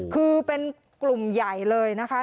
คือเป็นกลุ่มใหญ่เลยนะคะ